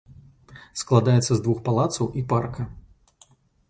Складаецца з двух палацаў і парка.